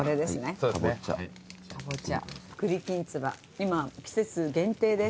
今季節限定です。